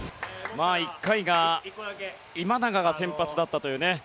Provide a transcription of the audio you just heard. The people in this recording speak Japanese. １回が今永が先発だったというね。